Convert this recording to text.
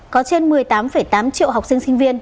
có trên một mươi tám tám triệu học sinh sinh viên